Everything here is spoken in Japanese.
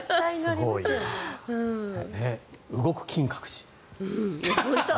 動く金閣寺。